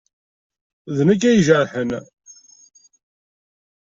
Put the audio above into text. D nekk ay ijerḥen.